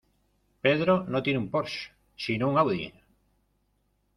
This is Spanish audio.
Pedro no tiene un Porsche sino un Audi.